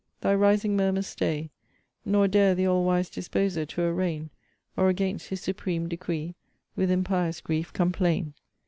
thy rising murmurs stay, Nor dare th' All wise Disposer to arraign, Or against his supreme decree With impious grief complain.